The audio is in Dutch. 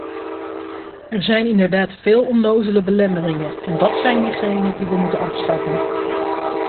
Er zijn inderdaad veel onnozele belemmeringen, en dat zijn diegene die we moeten afschaffen.